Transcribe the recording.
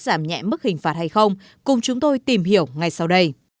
giảm nhẹ mức hình phạt hay không cùng chúng tôi tìm hiểu ngay sau đây